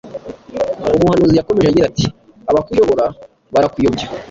umuhanuzi yakomeje agira ati abakuyobora barakuyobya